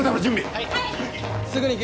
はい。